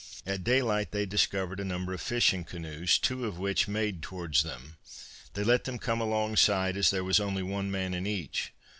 At daylight they discovered a number of fishing canoes, two of which made towards them. They let them come alongside as there was only one man in each.